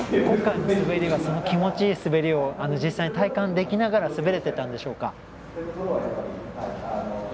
今回の滑りは気持ちいい滑りを実際に体感できながら滑れていたんでしょうか？